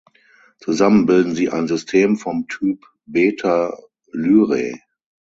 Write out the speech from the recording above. Zusammen bilden sie ein System vom Typ Beta Lyrae.